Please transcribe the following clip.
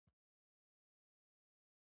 ازادي راډیو د د کار بازار ستونزې راپور کړي.